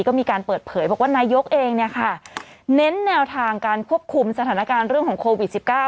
ก็มีการเปิดเผยบอกว่านายกเองเน้นแนวทางการควบคุมสถานการณ์เรื่องของโควิด๑๙